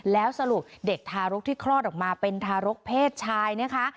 แล้วสรุปเด็กทารกที่คลอดออกมาเป็นทารกเพศชายนะคะ